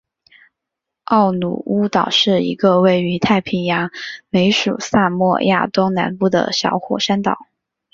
奥努乌岛是一个位于南太平洋美属萨摩亚东南部的小火山岛。